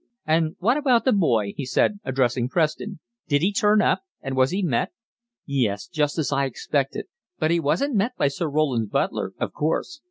And what about the boy?" he said, addressing Preston. "Did he turn up? And was he met?" "Yes, just as I expected; but he wasn't met by Sir Roland's butler, of course.